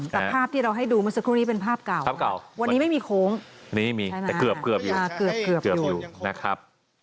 แต่ภาพที่เราให้ดูเมื่อสักครู่นี้เป็นภาพเก่าวันนี้ไม่มีโค้งแต่เกือบอยู่นะครับ